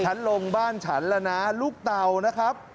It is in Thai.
ฉันลงบ้านฉันแล้วนะลูกเต่านะครับ